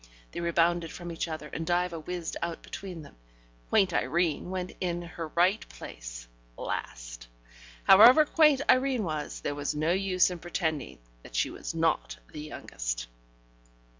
They rebounded from each other, and Diva whizzed out between them. Quaint Irene went in her right place last. However quaint Irene was, there was no use in pretending that she was not the youngest.